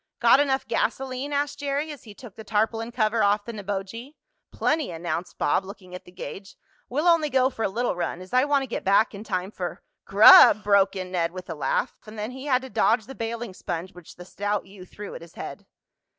"Got enough gasoline?" asked Jerry, as he took the tarpaulin cover off the Neboje. "Plenty," announced Bob, looking at the gauge. "We'll only go for a little run, as I want to get back in time for " "Grub!" broke in Ned with a laugh, and then he had to dodge the bailing sponge which the stout youth threw at his head.